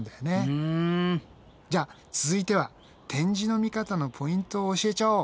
じゃあ続いては展示の見方のポイントを教えちゃおう！